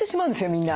みんな。